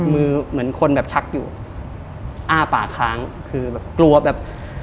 เหมือนคนแบบชักอยู่อ้าปากค้างคือแบบกลัวแบบ